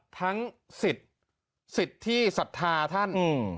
ทั้งสิทธิสัทธาท่าน